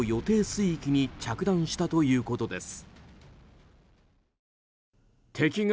水域に着弾したということです。